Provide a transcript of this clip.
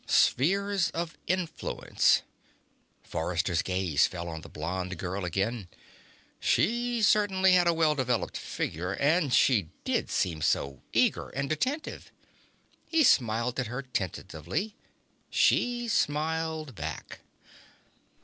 Spheres of Influence.... Forrester's gaze fell on the blonde girl again. She certainly had a well developed figure. And she did seem so eager and attentive. He smiled at her tentatively. She smiled back.